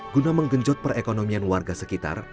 guna menggenjot perekonomian warga sekitar